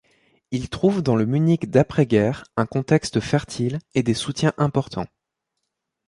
Il trouve dans le Munich d'après-guerre un contexte fertile et des soutiens importants.